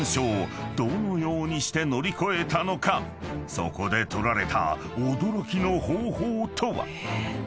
［そこで取られた驚きの方法とは？］